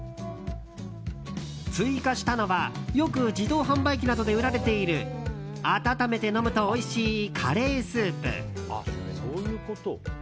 追加したのはよく自動販売機などで売られている温めて飲むとおいしいカレースープ。